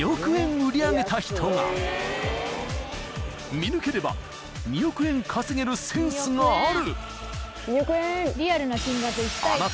［見抜ければ２億円稼げるセンスがある］